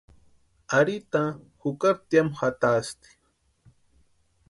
Ari taa jukari tiamu jatasti.